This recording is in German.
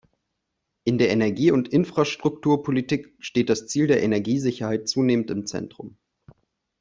In der Energie- und Infrastrukturpolitik steht das Ziel der Energiesicherheit zunehmend im Zentrum.